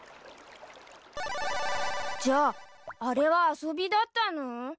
じゃああれは遊びだったの？